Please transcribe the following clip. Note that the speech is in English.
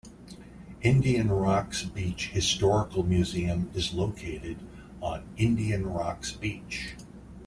Indian Rocks Beach Historical Museum is located on Indian Rocks Beach.